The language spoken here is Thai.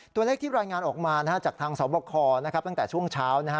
ตัวเลขที่รายงานออกมาจากทางสวบคตั้งแต่ช่วงเช้า